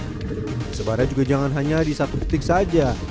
disebarnya juga jangan hanya di satu detik saja